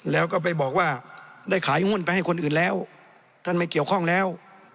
แล้วก็ไปบอกว่าได้ขายหุ้นไปให้คนอื่นแล้วท่านไม่เกี่ยวข้องแล้ว